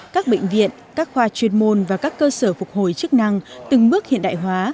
các bệnh viện các khoa chuyên môn và các cơ sở phục hồi chức năng từng bước hiện đại hóa